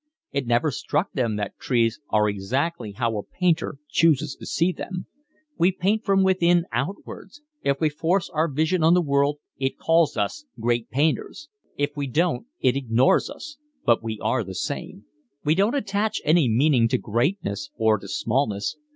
It never struck them that trees are exactly how a painter chooses to see them. We paint from within outwards—if we force our vision on the world it calls us great painters; if we don't it ignores us; but we are the same. We don't attach any meaning to greatness or to smallness.